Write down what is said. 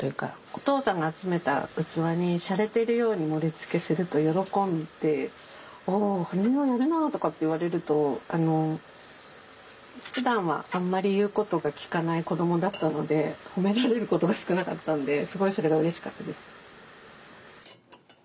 お父さんが集めた器にしゃれてるように盛りつけすると喜んで「お春美はやるなあ」とかって言われるとふだんはあんまり言うこと聞かない子供だったので褒められることが少なかったんですごいそれがうれしかったです。